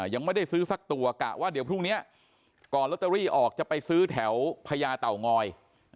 ยังไม่ได้ซื้อสักตัวกะว่าเดี๋ยวพรุ่งนี้ก่อนลอตเตอรี่ออกจะไปซื้อแถวพญาเต่างอย